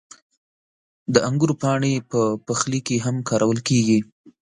• د انګورو پاڼې په پخلي کې هم کارول کېږي.